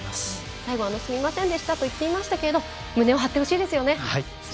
最後はすみませんでしたと言っていましたけど胸を張ってほしいですよね。